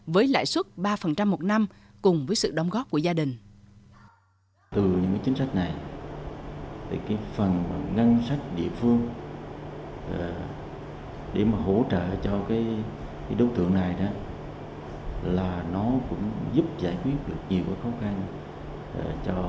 với lãi suất ba một năm cùng với sự đóng góp của gia đình